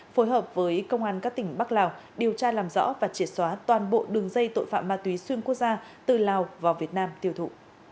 phối hợp với công an các tỉnh bắc lào điều tra làm rõ và triệt xóa toàn bộ đường dây tội phạm ma túy xuyên quốc gia từ lào vào việt nam tiêu thụ